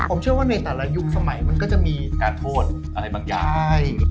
ผมเชื่อว่าในแต่ละยุคสมัยมันก็จะมีการโทษอะไรบางอย่าง